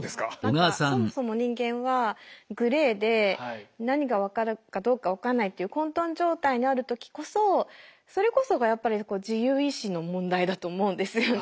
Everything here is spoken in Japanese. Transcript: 何かそもそも人間はグレーで何が分かるかどうか分かんないっていうそれこそがやっぱり自由意志の問題だと思うんですよね。